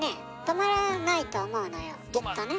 止まらないと思うのよきっとね。